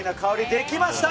できました！